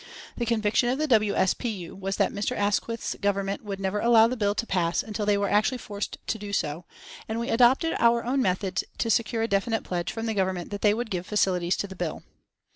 The conviction of the W. S. P. U. was that Mr. Asquith's Government would never allow the bill to pass until they were actually forced to do so, and we adopted our own methods to secure a definite pledge from the Government that they would give facilities to the bill.